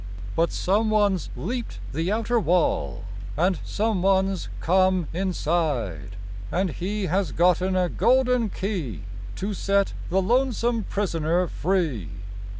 But Someone's leaped the outer wall And Someone's come inside, And he has gotten a golden key To set the lonesome prisoner free.